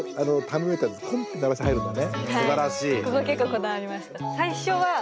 あっすばらしい！